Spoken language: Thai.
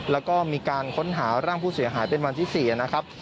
แล้วก็มีการค้นหาร่างผู้เสียหายเป็นวันที่๔นะครับ